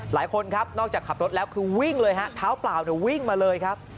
หลายคนครับนอกจากขับรถแล้วคือวิ่งเลยฮะเท้าเปล่าวิ่งมาเลยครับ